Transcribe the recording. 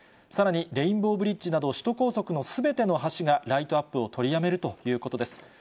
さらにレインボーブリッジなど、首都高速のすべての橋がライトアップを取りやめるということです。